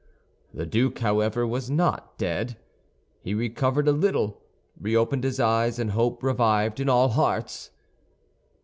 The duke, however, was not dead. He recovered a little, reopened his eyes, and hope revived in all hearts.